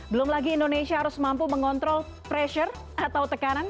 belum lagi indonesia harus mampu mengontrol pressure atau tekanan